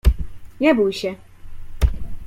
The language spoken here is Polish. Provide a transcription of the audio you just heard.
Nie bój się.